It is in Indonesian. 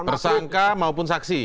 tersangka maupun saksi